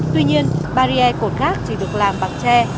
tuy nhiên barrier cồn gác chỉ được làm bằng tre